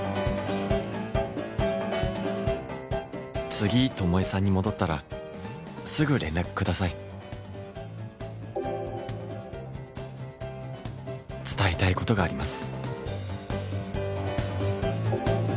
「次巴さんに戻ったらすぐ連絡下さい」「伝えたいことがあります」